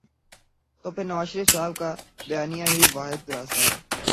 تو پھر نوازشریف صاحب کا بیانیہ ہی واحد راستہ ہے۔